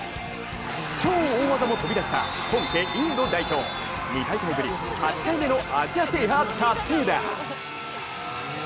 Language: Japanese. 超大技も飛び出した本家インド代表、２大会ぶり８回目のアジア制覇達成だ。